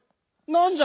なんじゃ？